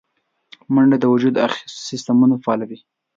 منډه د وجود داخلي سیستمونه فعالوي